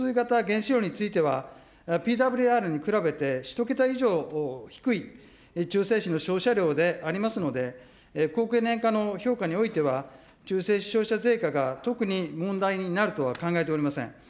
またＢＷＲ、沸騰水型原子炉についてはＰＷＲに比べて１桁以上低い、中性子の照射量でありますので、高経年化の評価においては、中性子照射が、特に問題になるとは考えておりません。